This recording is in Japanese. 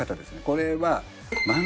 これは。え？